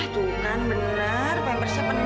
itu kan benar pampersnya penuh